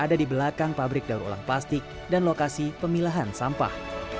ada di belakang pabrik daur ulang plastik dan lokasi pemilahan sampah